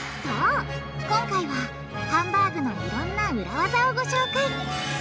そう今回はハンバーグのいろんな裏ワザをご紹介！